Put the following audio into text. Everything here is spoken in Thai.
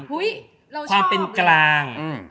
ความเป็นกลาง